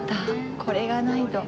これがないと。